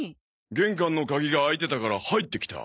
玄関の鍵が開いてたから入ってきた。